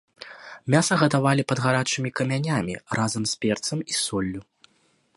Мяса гатавалі пад гарачымі камянямі разам з перцам і соллю.